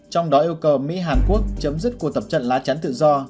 trong đó yêu cầu mỹ hàn quốc chấm dứt cuộc tập trận lá chắn tự do